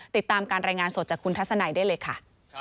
ติดตามการรายงานสดจากคุณทัศนัยได้เลยค่ะ